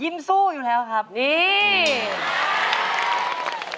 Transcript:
ยิ้มสู้อยู่แล้วครับยิ้มสู้